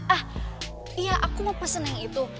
ah iya aku mau pesen yang itu